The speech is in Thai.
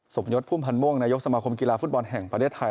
ยศพุ่มพันธ์ม่วงนายกสมาคมกีฬาฟุตบอลแห่งประเทศไทย